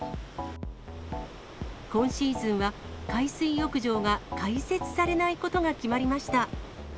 今シーズンは海水浴場が開設されないことが決まりました。